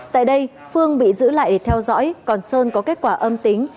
tại đây phương bị giữ lại theo dõi còn sơn có kết quả âm tính